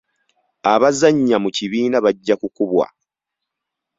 Abazannya mu kibiina bajja kukubwa.